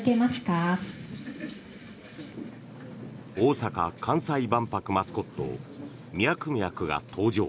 大阪・関西万博マスコットミャクミャクが登場。